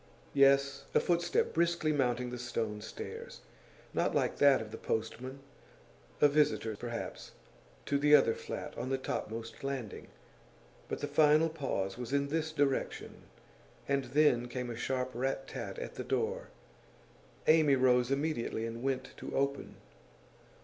Yes, a footstep, briskly mounting the stone stairs. Not like that of the postman. A visitor, perhaps, to the other flat on the topmost landing. But the final pause was in this direction, and then came a sharp rat tat at the door. Amy rose immediately and went to open.